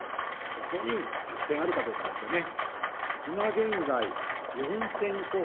そこに惑星があるかどうかですよね。